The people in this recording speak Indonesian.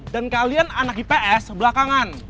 dan kalian anak ips belakangan